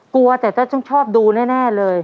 กลัวแต่เธอต้องชอบดูแน่เลย